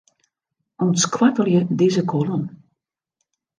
Untskoattelje dizze kolom.